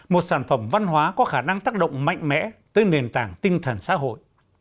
một sản phẩm văn hóa có khả năng tác động mạnh mẽ tới nền tảng tinh thần xã hội